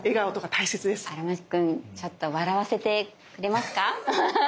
荒牧君ちょっと笑わせてくれますか？